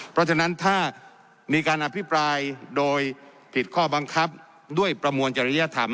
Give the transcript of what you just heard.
เพราะฉะนั้นถ้ามีการอภิปรายโดยผิดข้อบังคับด้วยประมวลจริยธรรม